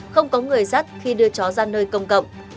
không có người dắt khi đưa chó ra nơi công cộng